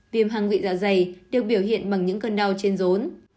viêm hang vị dạ dày được biểu hiện bằng những cơn đau trên dối